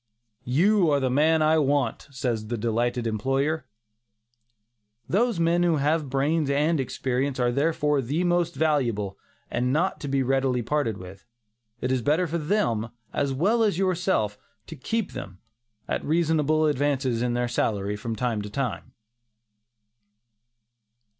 "You are the man I want," says the delighted employer. Those men who have brains and experience are therefore the most valuable and not to be readily parted with; it is better for them, as well as yourself, to keep them, at reasonable advances in their salaries from time to time.